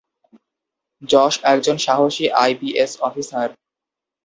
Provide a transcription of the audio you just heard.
যশ একজন সাহসী I P S officer.